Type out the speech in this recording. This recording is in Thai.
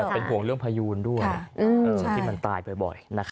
เป็นห่วงเรื่องพยูนด้วยที่มันตายบ่อย